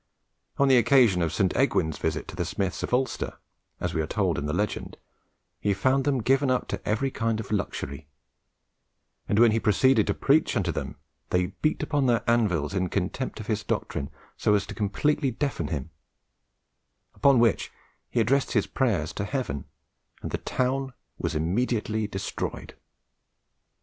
On the occasion of St. Egwin's visit to the smiths of Alcester, as we are told in the legend, he found then given up to every kind of luxury; and when he proceeded to preach unto them, they beat upon their anvils in contempt of his doctrine so as completely to deafen him; upon which he addressed his prayers to heaven, and the town was immediately destroyed.